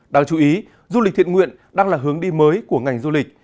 đáng chú ý du lịch thiện nguyện đang là hướng đi mới của ngành du lịch